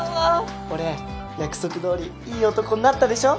俺約束どおりいい男になったでしょ？